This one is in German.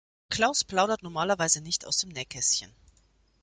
Klaus plaudert normalerweise nicht aus dem Nähkästchen.